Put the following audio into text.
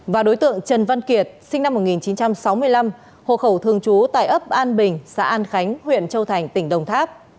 và đối tượng trần văn kiệt sinh năm một nghìn chín trăm sáu mươi năm hộ khẩu thường trú tại ấp an bình xã an khánh huyện châu thành tỉnh đồng tháp